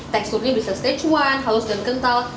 teksturnya bisa stage one halus dan kental